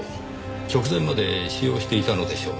直前まで使用していたのでしょうね。